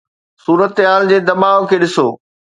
صورتحال جي دٻاء کي ڏسو.